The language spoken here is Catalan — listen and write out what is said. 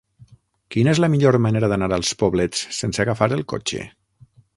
Quina és la millor manera d'anar als Poblets sense agafar el cotxe?